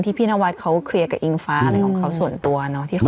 ที่พี่นวัดเขาเคลียร์กับอิงฟ้าอะไรของเขาส่วนตัวเนอะที่เขาขอ